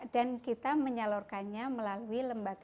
dan kita menyalurkannya melalui lembaga kredit